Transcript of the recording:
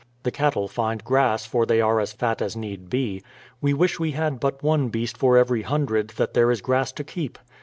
The cattle find grass for they are as fat as need be ; we wish we had but one beast for every hundred that there is grass to keep.